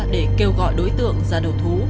để kêu gọi đối tượng ra đầu thú